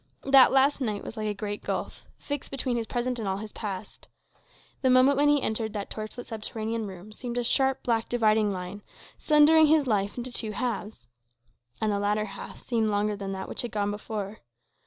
That last night was like a great gulf, fixed between his present and all his past. The moment when he entered that torch lit subterranean room seemed a sharp, black dividing line, sundering his life into two halves. And the latter half seemed longer than that which had gone before.